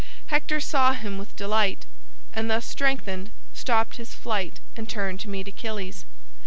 Hector saw him with delight, and thus strengthened stopped his flight and turned to meet Achilles.